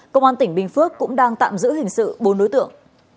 công an tỉnh bình phước cũng đang tạm giữ hình sự bốn đối tượng